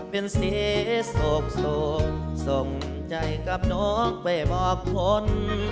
เป็นเสียโสกโสกส่งใจกับนกไปบอกคน